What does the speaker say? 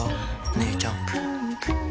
お姉ちゃん。